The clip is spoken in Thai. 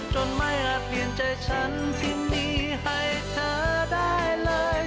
จนไม่อาจเปลี่ยนใจฉันสิ่งดีให้เธอได้เลย